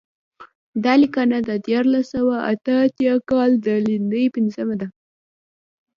دا لیکنه د دیارلس سوه اته اتیا کال د لیندۍ پنځمه ده.